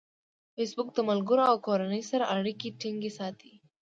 فېسبوک د ملګرو او کورنۍ سره اړیکې ټینګې ساتي.